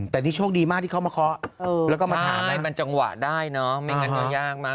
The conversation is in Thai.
แต่นี่โชคดีมากที่เขามาเคาะแล้วก็มาถามให้มันจังหวะได้เนอะไม่งั้นก็ยากมาก